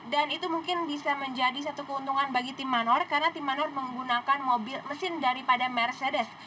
dan itu mungkin bisa menjadi satu keuntungan bagi tim manor karena tim manor menggunakan mesin daripada mercedes